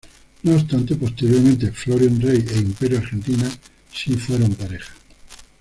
No obstante, posteriormente Florián Rey e Imperio Argentina sí fueron pareja.